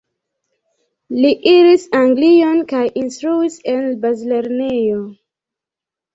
Li iris Anglion kaj instruis en bazlernejo.